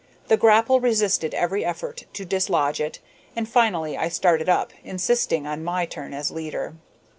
The grapple resisted every effort to dislodge it, and finally I started up, insisting on my turn as leader.